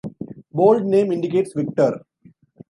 Bold name indicates victor.